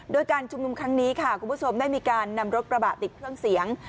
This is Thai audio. โดยการชุมนุมครั้งนี้ค่ะคุณผู้ชมได้มีการนำรถกระบะติดเครื่องเสียง